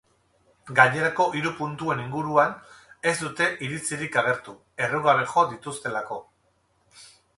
Gainerako hiru puntuen inguruan ez dute iritzirik agertu, errugabe jo dituztelako.